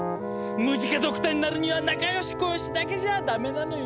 ムジカドクターになるには仲よしこよしだけじゃあダメなのよ。